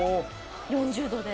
４０度で？